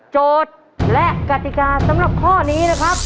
โจทย์และกติกาสำหรับข้อนี้นะครับ